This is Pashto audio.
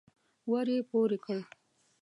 ور يې پورې کړ.